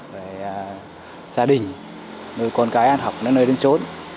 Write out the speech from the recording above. và gia đình đôi con cái ăn học nơi đến chỗ